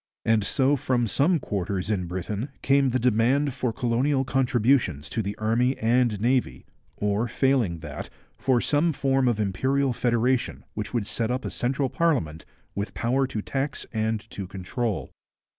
And so from some quarters in Britain came the demand for colonial contributions to the Army and Navy, or failing that, for some form of imperial federation which would set up a central parliament with power to tax and to control.